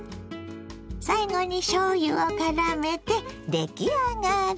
最後にしょうゆをからめて出来上がり。